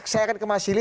saya akan kemasili